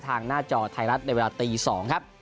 หน้าจอไทยรัฐในเวลาตี๒ครับ